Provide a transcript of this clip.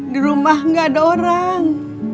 di rumah nggak ada orang